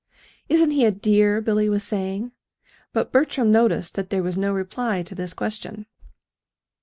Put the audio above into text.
"Isn't he a dear?" Billy was saying. But Bertram noticed that there was no reply to this question.